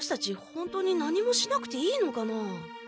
ほんとに何もしなくていいのかなあ？